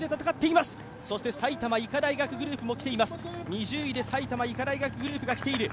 ２０位で埼玉医科大学グループも来ています。